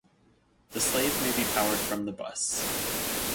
The slave may be powered from the bus.